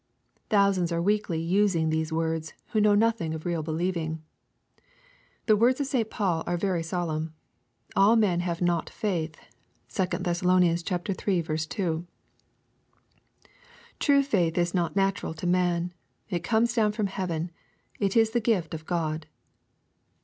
Thousands are weekly using these words, who know nothing of real believing. The words of St. Paul are very solemn, " All men have not faith." (2 Thess. iii. 2.) True faith is not natural to man. It comes down ftom heaven. It is the gift of God.